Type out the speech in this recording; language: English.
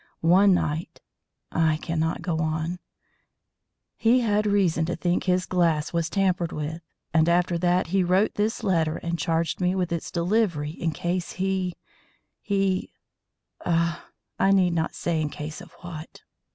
One night I cannot go on he had reason to think his glass was tampered with, and after that, he wrote this letter, and charged me with its delivery in case he he Ah! I need not say in case of what.